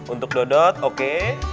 untuk dot oke